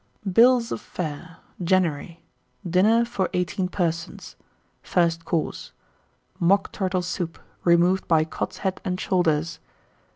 BILLS OF FARE. JANUARY. 1887. DINNER FOR 18 PERSONS. First Course. Mock Turtle Soup, removed by Cod's Head and Shoulders.